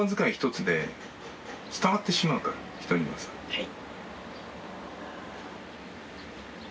はい。